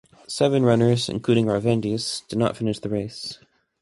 Seven runners, including Lavrentis, did not finish the race.